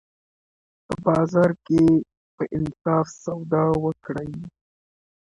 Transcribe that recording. په بازار کي په انصاف سودا وکړئ.